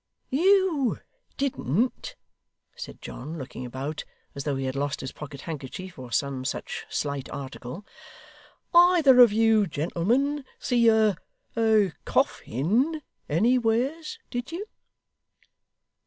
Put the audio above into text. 'You didn't,' said John, looking about, as though he had lost his pocket handkerchief, or some such slight article 'either of you gentlemen see a a coffin anywheres, did you?